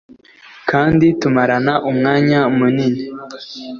kandi tumarana umwanya munini